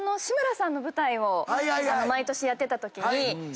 毎年やってたときに。